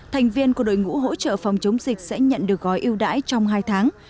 thành viên của đội ngũ hỗ trợ phòng chống dịch sẽ nhận được gói yêu đãi trong hai tháng